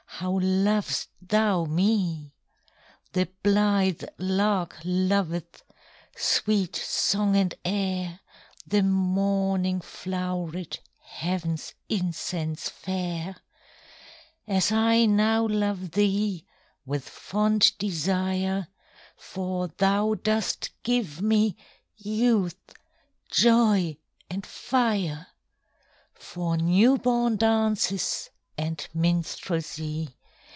How lov'st thou me! The blithe lark loveth Sweet song and air, The morning flow'ret Heav'n's incense fair, As I now love thee With fond desire, For thou dost give me Youth, joy, and fire, For new born dances And minstrelsy.